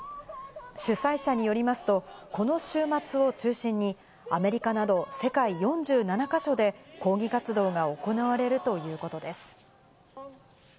主催者によりますと、この週末を中心に、アメリカなど世界４７か所で抗議活動が行われるということです。